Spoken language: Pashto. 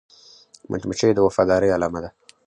مچمچۍ د وفادارۍ علامه ده